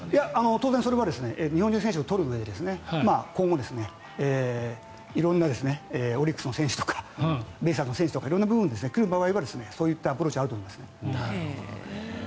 当然日本人選手を取るうえで今後色んなオリックスの選手とかベイスターズの選手とか色んな部分で来る場合はそういったアプローチがあると思いますね。